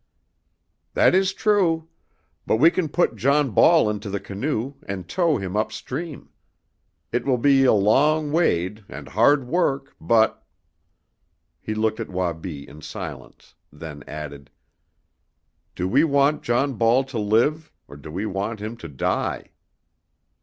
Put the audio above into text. "That is true. But we can put John Ball into the canoe and tow him up stream. It will be a long wade and hard work, but " He looked at Wabi in silence, then added, "Do we want John Ball to live, or do we want him to die?"